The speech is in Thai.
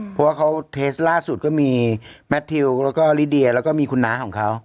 เพราะว่าเขาเทสล่าสุดก็มีแมททิวแล้วก็ลิเดียแล้วก็มีคุณน้าของเขา